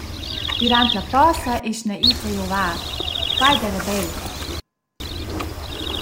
Dürant la posa eschna its a giovar, quai d’eira bel.